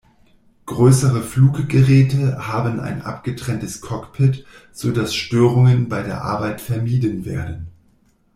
Größere Fluggeräte haben ein abgetrenntes Cockpit, so dass Störungen bei der Arbeit vermieden werden.